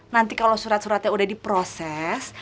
nanti kalau surat suratnya sudah diproses